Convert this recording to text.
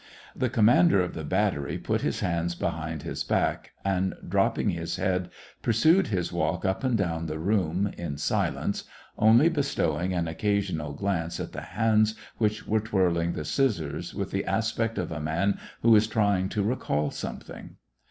The commander of the battery put his hands behind his back, and, dropping his head, pursued his walk up and down the room, ia silence, only bestowing an occasional glance at the hands which were twirling the scissors, with the aspect of a man who is trying to recall something.